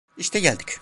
İşte geldik.